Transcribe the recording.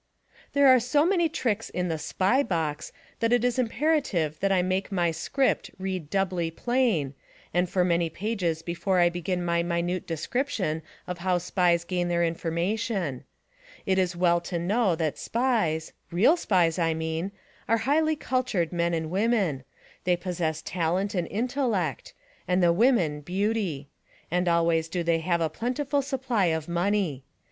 There are so many tricks in the "SPY BOX" that it is imperative that I make my "script" read doubly plain, and for many pages before I begin my minute description oi how Spies gain their information. It is well to know that Spies— real Spies, I mean— are highly cultured men and women; they pos sess talent and intellect, and the women, beauty: and always do they have a plentiful supply of money.